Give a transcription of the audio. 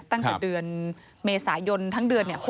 ตั้งแต่เดือนเมษายนทั้งเดือน